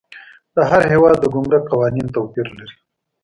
د هر هیواد د ګمرک قوانین توپیر لري.